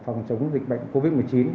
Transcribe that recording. phòng chống dịch bệnh covid một mươi chín